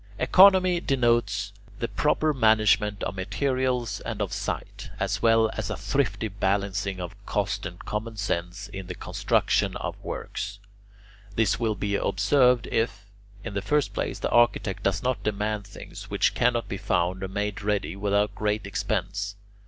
Economy denotes the proper management of materials and of site, as well as a thrifty balancing of cost and common sense in the construction of works. This will be observed if, in the first place, the architect does not demand things which cannot be found or made ready without great expense.